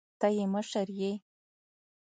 ته يې مشر يې.